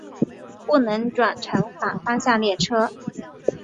不能转乘反方向列车。